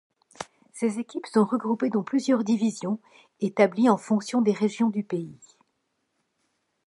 Ses équipes sont regroupées dans plusieurs divisions établies en fonction des régions du pays.